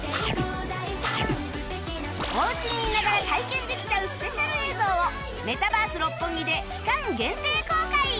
お家にいながら体験できちゃうスペシャル映像をメタバース六本木で期間限定公開！